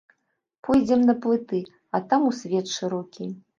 Пойдзем на плыты, а там у свет шырокі.